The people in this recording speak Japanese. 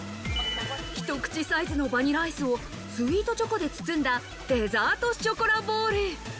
一口サイズのバニラアイスをスイートチョコで包んだデザートショコラボール。